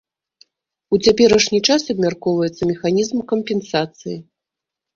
У цяперашні час абмяркоўваецца механізм кампенсацыі.